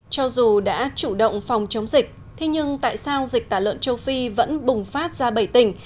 cho dù đã chủ động phòng chống dịch thế nhưng tại sao dịch tả lợn châu phi vẫn bùng phát ra bảy tỉnh